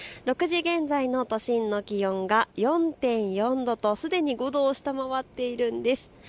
６時現在の都心の気温が４．４度とすでに５度を下回っているんです。